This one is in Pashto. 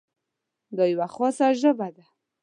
دا یوه خاصه ژبه ده.